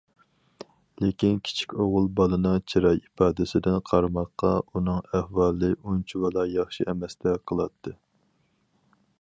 لېكىن كىچىك ئوغۇل بالىنىڭ چىراي ئىپادىسىدىن قارىماققا، ئۇنىڭ ئەھۋالى ئۇنچىۋالا ياخشى ئەمەستەك قىلاتتى.